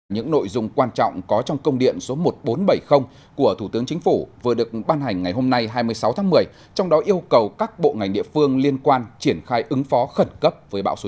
những nội dung quan trọng có trong công điện số một nghìn bốn trăm bảy mươi của thủ tướng chính phủ vừa được ban hành ngày hôm nay hai mươi sáu tháng một mươi trong đó yêu cầu các bộ ngành địa phương liên quan triển khai ứng phó khẩn cấp với bão số chín